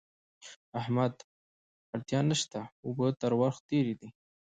احمده! اړتیا نه شته؛ اوبه تر ورخ تېرې دي.